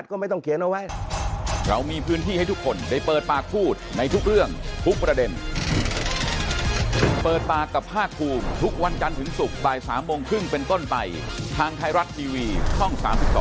ทางไทรัตน์ดีวีช่อง๓๒